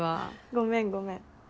ごめんごめん。